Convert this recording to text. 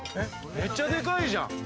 めっちゃでかいじゃん。